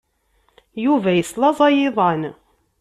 Yuba yeslaẓay iḍan.